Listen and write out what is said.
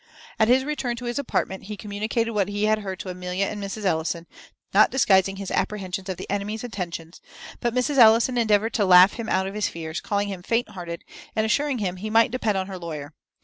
At his return to his apartment he communicated what he had heard to Amelia and Mrs. Ellison, not disguising his apprehensions of the enemy's intentions; but Mrs. Ellison endeavoured to laugh him out of his fears, calling him faint hearted, and assuring him he might depend on her lawyer.